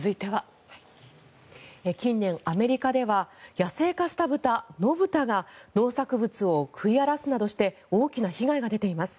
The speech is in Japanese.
近年、アメリカでは野生化した豚、野豚が農作物を食い荒らすなどして大きな被害が出ています。